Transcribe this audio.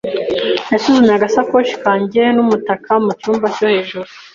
Nasuzumye agasakoshi kanjye n'umutaka mu cyumba cyo hejuru.